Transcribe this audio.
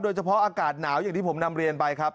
อากาศหนาวอย่างที่ผมนำเรียนไปครับ